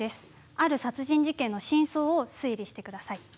ある殺人事件の真相を推理して下さい。